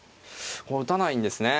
打たないんですね。